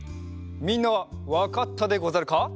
みんなはわかったでござるか？